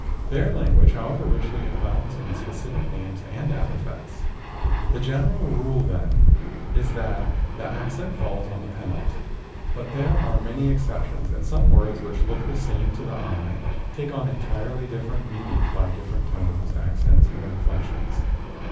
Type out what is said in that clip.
Their language, however, richly abounds in specific names and epithets. The general rule, then, is that the accent falls on the penult; but there are many exceptions and some words which look the same to the eye take on entirely different meanings by different tones, accents, or inflections.